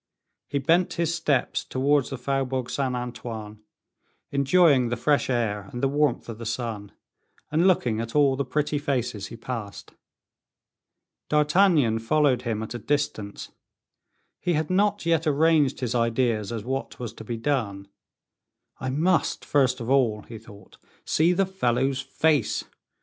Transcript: He bent his steps towards the Faubourg Saint Antoine, enjoying the fresh air and the warmth of the sun, and looking at all the pretty faces he passed. D'Artagnan followed him at a distance; he had not yet arranged his ideas as what was to be done. "I must, first of all," he thought, "see the fellow's face.